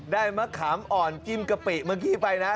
มะขามอ่อนจิ้มกะปิเมื่อกี้ไปนะ